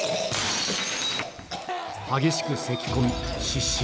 激しくせきこみ、失神。